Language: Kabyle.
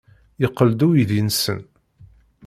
Yeqqel-d uydi-nsen.